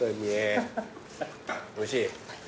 おいしい？